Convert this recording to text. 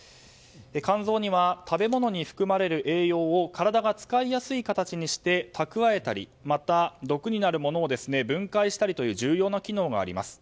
肝臓には食べ物に含まれる栄養を体が使いやすい形にしてたくわえたりまた、毒になるものを分解したりという重要な機能があります。